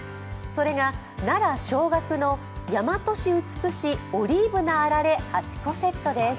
それが奈良祥樂の大和し美しオリーブなあられ８個セットです。